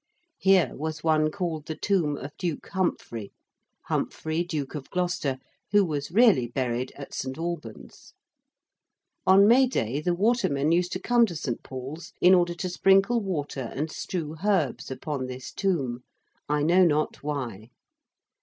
Here was one called the tomb of Duke Humphrey Humphrey Duke of Gloucester, who was really buried at St. Alban's. On May Day the watermen used to come to St. Paul's in order to sprinkle water and strew herbs upon this tomb I know not why.